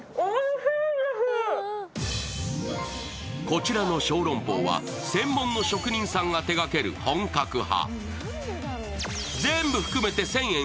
こちらの小籠包は専門の職人さんが手がける本格派。